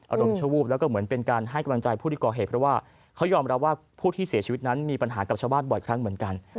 อารมณ์ชั่ววูบแล้วก็เหมือนเป็นการให้กำลังใจผู้ที่ก่อเหตุเพราะว่าเขายอมรับว่าผู้ที่เสียชีวิตนั้นมีปัญหากับชาวบ้านบ่อยครั้งเหมือนกัน